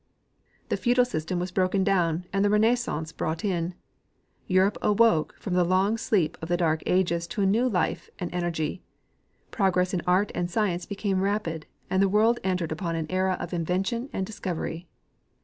The feudal system was broken down and the renaissance brought in. Europe awoke from the long sleep of the dark ages to new life and energy ; progress in art and science became rapid, and the world entered upon an era of invention and discovery.